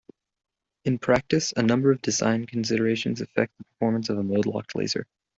In practice, a number of design considerations affect the performance of a mode-locked laser.